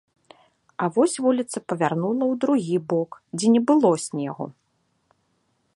А вось вуліца павярнула ў другі бок, дзе не было снегу.